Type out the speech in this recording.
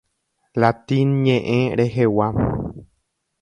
Latín ñe'ẽ rehegua.